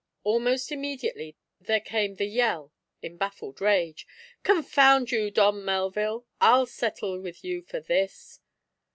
Almost immediately there came the yell, in baffled rage: "Confound you, Don Melville! I'll settle with you for this!"